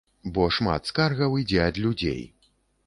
Бо шмат скаргаў ідзе ад людзей.